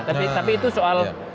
tapi itu soal